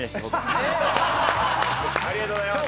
・ありがとうございます。